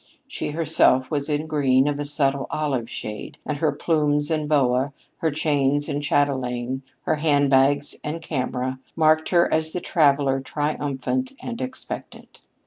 She herself was in green of a subtle olive shade, and her plumes and boa, her chains and chatelaine, her hand bags and camera, marked her as the traveler triumphant and expectant.